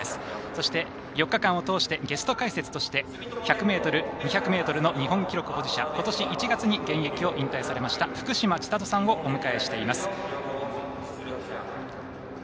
そして、４日間を通してゲスト解説として１００ｍ、２００ｍの日本記録保持者ことし１月に現役引退されました福島千里さんをお迎えしています。